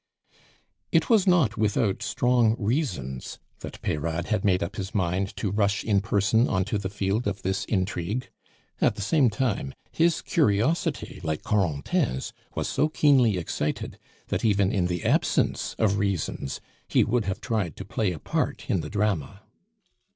It was not without strong reasons that Peyrade had made up his mind to rush in person on to the field of this intrigue. At the same time, his curiosity, like Corentin's, was so keenly excited, that, even in the absence of reasons, he would have tried to play a part in the drama.